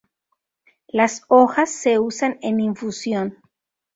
Las hojas se usan en infusión.